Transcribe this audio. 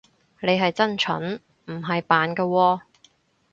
你係真蠢，唔係扮㗎喎